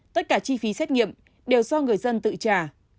tất cả chi phí xét nghiệm đều do người dân tự trả